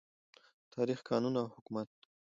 تاریخ، قانون او حکومت